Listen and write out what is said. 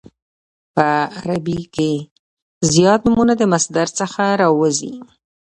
په عربي کښي زیات نومونه د مصدر څخه راوځي.